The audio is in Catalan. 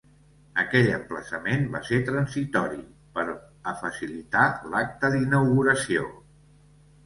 Aquell emplaçament va ser transitori, per a facilitar l’acte d’inauguració.